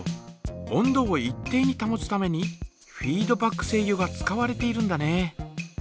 温度を一定にたもつためにフィードバック制御が使われているんだね。